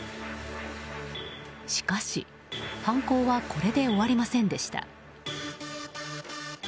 しかし、犯行はこれで終わりませんでした。